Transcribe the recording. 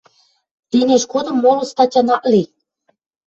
Тенеш годым молы статян ак ли.